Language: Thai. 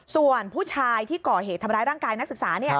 ส่วนผู้ชายที่ก่อเหตุทำร้ายร่างกายนักศึกษา